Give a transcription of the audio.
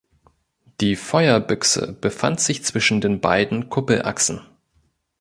Die Feuerbüchse befand sich zwischen den beiden Kuppelachsen.